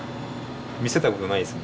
見せたことないですね